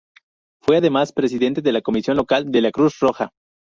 Fue además, presidente de la comisión local de la Cruz Roja.